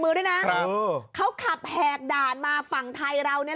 มือด้วยนะครับเขาขับแหกด่านมาฝั่งไทยเราเนี่ย